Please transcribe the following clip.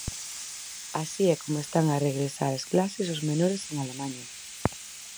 Así é como están a regresar ás clases os menores en Alemaña.